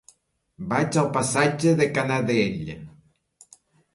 Vaig al passatge de Canadell.